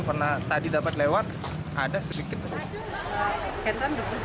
karena tadi dapat lewat ada sedikit